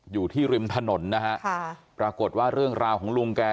อยู่ที่ริมถนนนะฮะค่ะปรากฏว่าเรื่องราวของลุงแก